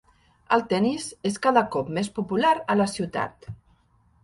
El tenis és cada cop més popular a la ciutat.